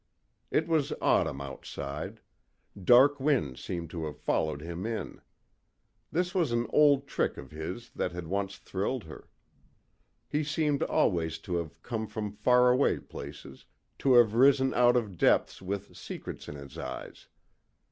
It was autumn outside. Dark winds seemed to have followed him in. This was an old trick of his that had once thrilled her. He seemed always to have come from far away places, to have risen out of depths with secrets in his eyes.